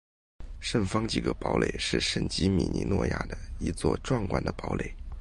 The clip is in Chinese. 圣方济各堡垒是圣吉米尼亚诺的一座壮观的堡垒。